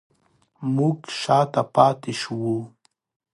موږ شاته پاتې شوو